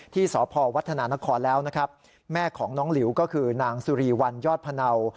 ที่สพวัฒนานครแล้วนะครับแม่ของน้องหลิวก็คือนางสุรีวันยอดพะเนา